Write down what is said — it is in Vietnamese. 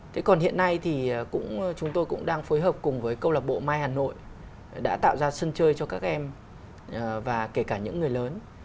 thế còn hiện nay thì chúng tôi cũng đang phối hợp cùng với câu lạc bộ mai hà nội đã tạo ra sân chơi cho các em và kể cả những người lớn